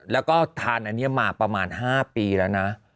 แล้วก็ทานอันนี้มาประมาณ๕ปีแล้วนะ